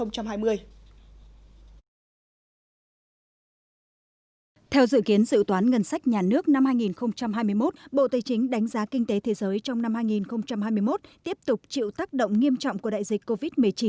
theo dự kiến dự toán ngân sách nhà nước năm hai nghìn hai mươi một bộ tây chính đánh giá kinh tế thế giới trong năm hai nghìn hai mươi một tiếp tục chịu tác động nghiêm trọng của đại dịch covid một mươi chín